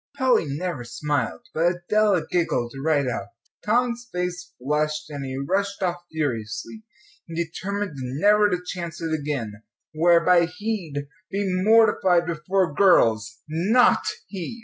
Polly never smiled, but Adela giggled right out. Tom's face flushed, and he rushed off furiously, determined never to chance it again whereby he'd be mortified before girls not he!